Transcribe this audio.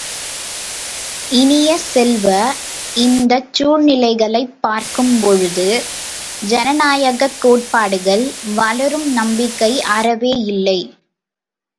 இனிய செல்வ, இந்தச் சூழ்நிலைகளைப் பார்க்கும் பொழுது ஜனநாயகக் கோட்பாடுகள் வளரும் நம்பிக்கை அறவே இல்லை.